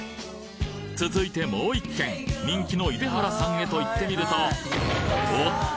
続いてもう１軒人気のいではらさんへと行ってみるとおっと！